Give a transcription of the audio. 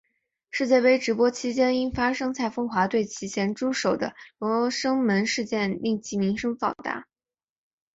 世界杯直播期间因发生蔡枫华对其咸猪手的罗生门事件令其声名大噪。